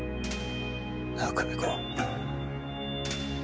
なあ久美子。